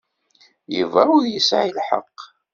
Yuba ur yesɛi lḥeqq.